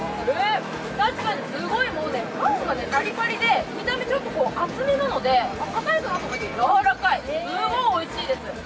確かにすごい、パンがパリパリで見た目、ちょっと厚めなのでかたいかなと思いつつやわらかい、すごいおいしいです。